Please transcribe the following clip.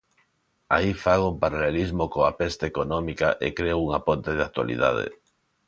Aí fago un paralelismo coa peste económica e creo unha ponte da actualidade.